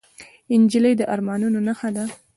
نجلۍ د ارمانونو نښه ده.